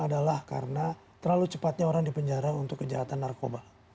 adalah karena terlalu cepatnya orang dipenjara untuk kejahatan narkoba